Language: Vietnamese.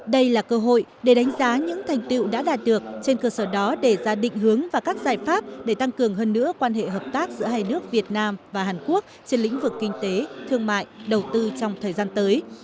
đây là cơ hội để đánh giá những thành tiệu đã đạt được trên cơ sở đó để ra định hướng và các giải pháp để tăng cường hơn nữa quan hệ hợp tác giữa hai nước việt nam và hàn quốc trên lĩnh vực kinh tế thương mại đầu tư trong thời gian tới